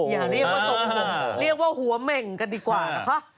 อย่าเรียกว่าทรงผมเรียกว่าหัวเหม่งกันดีกว่านะคะ